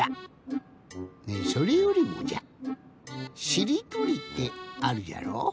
ねえそれよりもじゃしりとりってあるじゃろ？